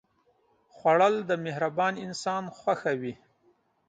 خوړل د مهربان انسان خوښه وي